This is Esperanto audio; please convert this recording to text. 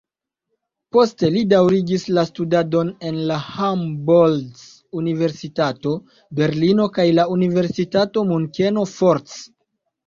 Poste li daŭrigis la studadon en la Humboldt-universitato Berlino kaj la universitato Munkeno fort.